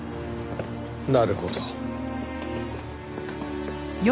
なるほど。